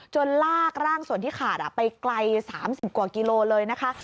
ลากร่างส่วนที่ขาดไปไกล๓๐กว่ากิโลเลยนะคะ